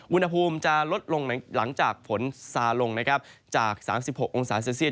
วุณภูมิจะลดลงหลังจากฝนซาลงจาก๓๖องศาเซลเซียด